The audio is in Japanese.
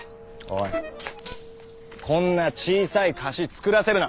こんな小さい貸し作らせるな。